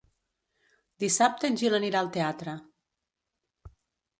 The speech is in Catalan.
Dissabte en Gil anirà al teatre.